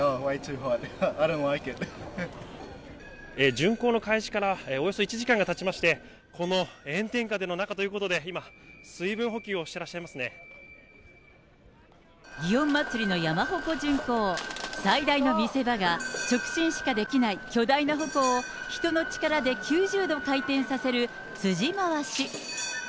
巡行の開始からおよそ１時間がたちまして、この炎天下での中ということで、今、水分補給をしてらっしゃいま祇園祭の山鉾巡行、最大の見せ場が、直進しかできない巨大な鉾を人の力で９０度回転させる、辻回し。